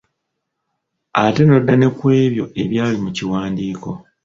Ate n'odda ne ku ebyo ebyali mu kiwandiko.